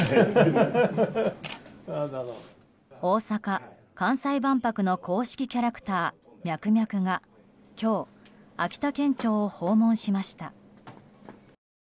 大阪・関西万博の公式キャラクターミャクミャクが今日、秋田県庁を訪問しました。